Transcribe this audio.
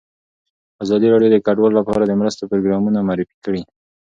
ازادي راډیو د کډوال لپاره د مرستو پروګرامونه معرفي کړي.